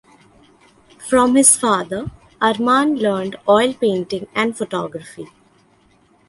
From his father, Arman learned oil painting and photography.